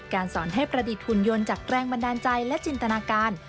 สอนให้ประดิษฐ์หุ่นยนต์จากแรงบันดาลใจและจินตนาการ